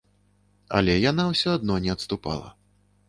Але яна ўсё адно не адступала.